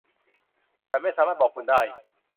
ฉันไม่สามารถบอกคุณได้.